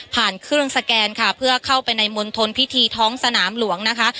เครื่องสแกนค่ะเพื่อเข้าไปในมณฑลพิธีท้องสนามหลวงนะคะ